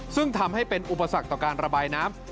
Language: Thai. ซึ่งทำให้เป็นอุปสรรคต่อการระบายน้ำ